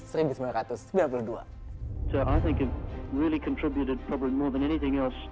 saya pikir itu benar benar berkontribusi lebih dari apa apa